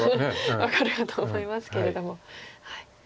分かるかと思いますけれども。